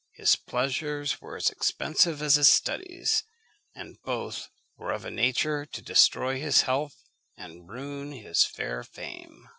His pleasures were as expensive as his studies, and both were of a nature to destroy his health and ruin his fair fame.